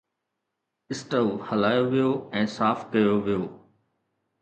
اسٽو هٽايو ويو ۽ صاف ڪيو ويو